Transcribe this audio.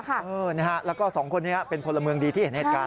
แล้วก็สองคนนี้เป็นพลเมืองดีที่เห็นเหตุการณ์